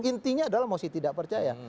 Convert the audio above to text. intinya adalah mosi tidak percaya